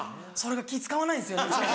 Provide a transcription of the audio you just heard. それが気使わないんですよね